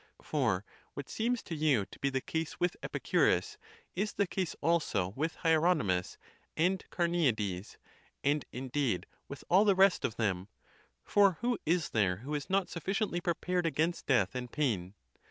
For what séems to you to be the case with Epicurus is the case also with Hieronymus and Carneades, and, indeed, with all the rest of them; for who is there who is not sufficiently prepared against death and pain?